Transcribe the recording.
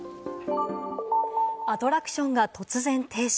アトラクションが突然停止。